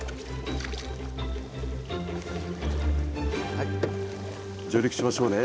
はい上陸しましょうね。